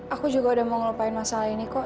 aku juga udah mau ngelupain masalah ini kok